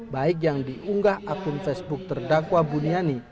baik yang diunggah akun facebook terdakwa buniani